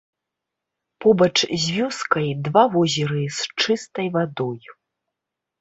Побач з вёскай два возеры з чыстай вадой.